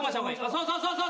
そうそうそうそう！